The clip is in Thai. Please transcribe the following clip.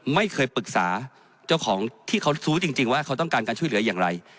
ไม่เคยปรึกษาเจ้าของที่เขารู้จริงว่าเขาต้องการการช่วยเหลืออย่างไร